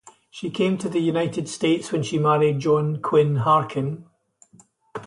She came to the United States when she married John Quinn-Harkin.